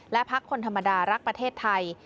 และพักคนธรรมดารักประเทศไทย